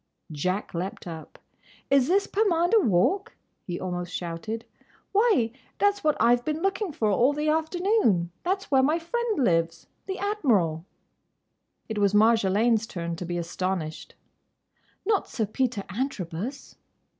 Jack leaped up. "Is this Pomander Walk?" he almost shouted. "Why, that 's what I Ve been looking for all the afternoon. That's where my friend lives—the Admiral!" It was Marjolaine's turn to be astonished. "Not Sir Peter Antrobus!"